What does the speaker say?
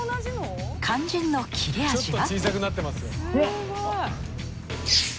肝心の切れ味は？